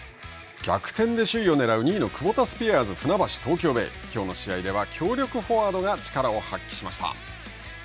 逆転で首位をねらう２位のクボタスピアーズ船橋・東京ベイ、きょうの試合では、強力フォワードが力を発揮しました。